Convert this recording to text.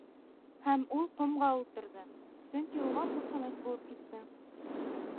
Һәм ул ҡомға ултырҙы, сөнки уға ҡурҡыныс булып китте.